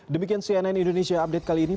demikian cnn indonesia update kali ini